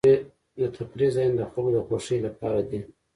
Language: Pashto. د تفریح ځایونه د خلکو د خوښۍ لپاره دي.